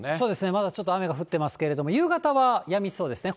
まだちょっと雨が降っていますけれども、夕方はやみそうですね。